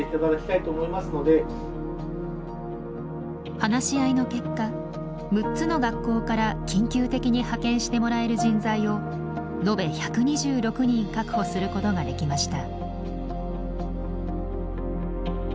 話し合いの結果６つの学校から緊急的に派遣してもらえる人材をのべ１２６人確保することができました。